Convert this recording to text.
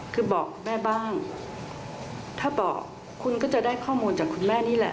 คือบอกแม่บ้างถ้าบอกคุณก็จะได้ข้อมูลจากคุณแม่นี่แหละ